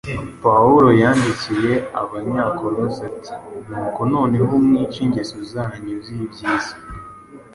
Pawulo yandikiye Abanyakolosi ati: “Nuko noneho mwice ingeso zanyu z’iby’isi